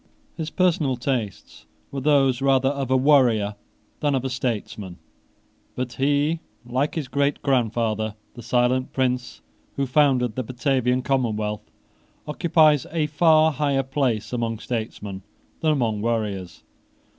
His personal tastes were those rather of a warrior than of a statesman: but he, like his greatgrandfather, the silent prince who founded the Batavian commonwealth, occupies a far higher place among statesmen than among warriors.